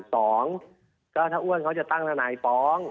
สองก็ถ้าอ้วนเขาจะตั้งทนายฟ้อง